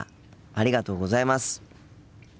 ありがとうございます。